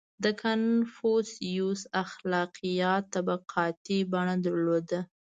• د کنفوسیوس اخلاقیات طبقاتي بڼه درلوده.